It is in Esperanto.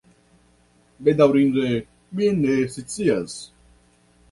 Bedaŭrinde mi ne scias.